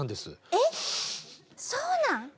そうなん？